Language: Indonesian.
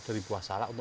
dari buah salak